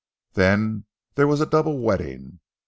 Then there was a double wedding.